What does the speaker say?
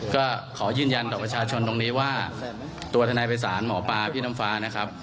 ก็ขอยืนยันต่อประชาชนตรงนี้ว่าตัวทนายภัยศาลหมอปลาพี่น้ำฟ้านะครับ